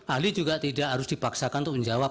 ahli juga tidak harus dipaksakan untuk menjawab